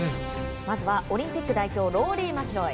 まずはオリンピック代表ローリー・マキロイ。